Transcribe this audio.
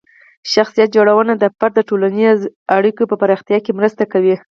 شخصیت جوړونه د فرد د ټولنیزې اړیکو په پراختیا کې مرسته کوي.